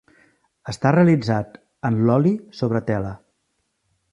Està realitzat en l'oli sobre tela.